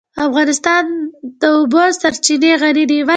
افغانستان په د اوبو سرچینې غني دی.